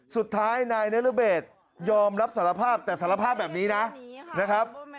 สุดท้ายนายนรเบศยอมรับสารภาพแต่สารภาพแบบนี้นะนะครับ